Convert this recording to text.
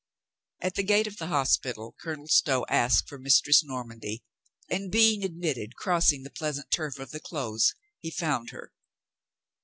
'* At the gate of the hospital Colonel Stow asked for Mistress Normandy, and being admitted, cross ing the pleasant turf of the close, he found her.